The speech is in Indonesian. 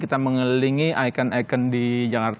kita mengelilingi ikon ikon di jakarta